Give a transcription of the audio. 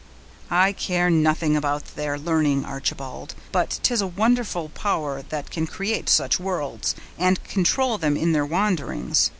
"I care nothing about their learning, Archibald; but 'tis a wonderful power that can create such worlds, and control them in their wanderings.